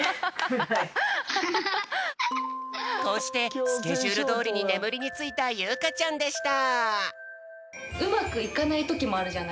こうしてスケジュールどおりにねむりについたゆうかちゃんでした。